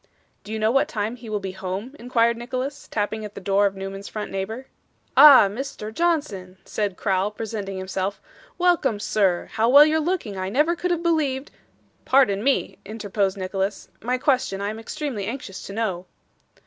'Do you know what time he will be home?' inquired Nicholas, tapping at the door of Newman's front neighbour. 'Ah, Mr. Johnson!' said Crowl, presenting himself. 'Welcome, sir. How well you're looking! I never could have believed ' 'Pardon me,' interposed Nicholas. 'My question I am extremely anxious to know.